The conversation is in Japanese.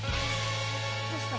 どうした？